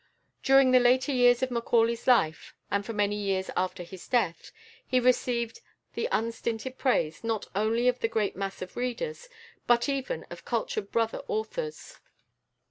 During the later years of Macaulay's life, and for many years after his death, he received the unstinted praise, not only of the great mass of readers, but even of cultured brother authors.